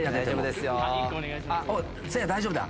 せいや大丈夫だ。